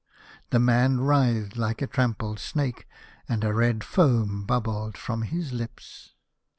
The man writhed like a trampled snake, and a red foam bubbled from his lips.